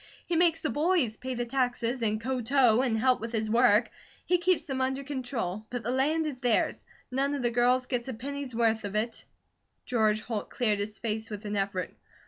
He makes the boys pay the taxes, and ko tow, and help with his work; he keeps them under control; but the land is theirs; none of the girls get a penny's worth of it!" George Holt cleared his face with an effort.